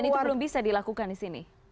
dan itu belum bisa dilakukan di sini